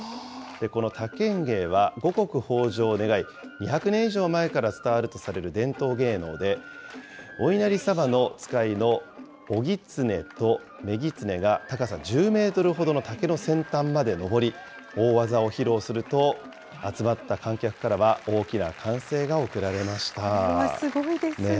この竹ン芸は、五穀豊じょうを願い、２００年以上前から伝わるとされる伝統芸能で、おいなり様の使いの男狐と女狐が高さ１０メートルほどの竹の先端までのぼり、大技を披露すると、集まった観客からは、大きな歓声これはすごいですね。